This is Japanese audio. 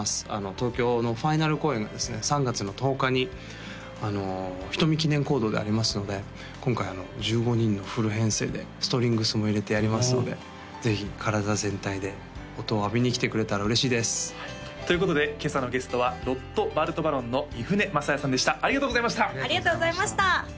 東京のファイナル公演がですね３月の１０日に人見記念講堂でありますので今回１５人のフル編成でストリングスも入れてやりますのでぜひ体全体で音を浴びに来てくれたら嬉しいですということで今朝のゲストはＲＯＴＨＢＡＲＴＢＡＲＯＮの三船雅也さんでしたありがとうございましたありがとうございました